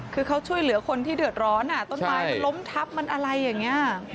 คือเขาช่วยเหลือคนที่เดือดร้อนต้นไม้มันล้มทับมันอะไรอย่างนี้